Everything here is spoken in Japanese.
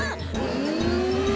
うん。